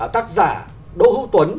tác giả đỗ hữu tuấn